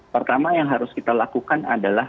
pertama yang harus kita lakukan adalah